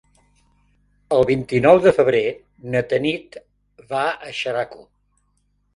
El vint-i-nou de febrer na Tanit va a Xeraco.